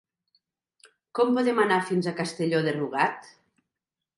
Com podem anar fins a Castelló de Rugat?